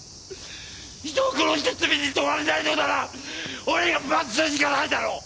人を殺して罪に問われないのなら俺が罰するしかないだろう！